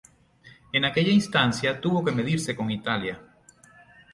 En aquella instancia tuvo que medirse con Italia.